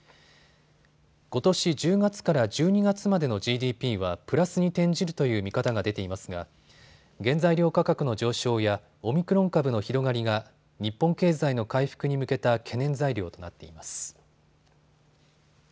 ことし１０月から１２月までのＧＤＰはプラスに転じるという見方が出ていますが原材料価格の上昇やオミクロン株の広がりが日本経済の回復に向けた懸念材料となっています。